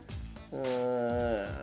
うん。